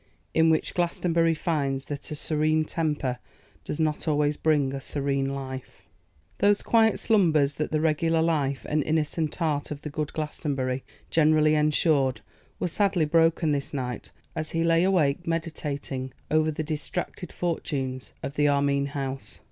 In Which Glastonbury Finds That a Serene Temper Does Not Always Bring a Serene Life. THOSE quiet slumbers, that the regular life and innocent heart of the good Glastonbury generally ensured, were sadly broken this night, as he lay awake meditating over the distracted fortunes of the of Armine house.